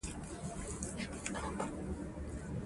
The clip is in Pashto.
د ونو بې ځایه وهل د وچکالۍ او ګرمۍ لامل ګرځي.